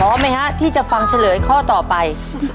ไหมฮะที่จะฟังเฉลยข้อต่อไป